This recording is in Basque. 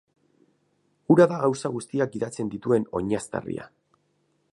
Hura da gauza guztiak gidatzen dituen oinaztarria.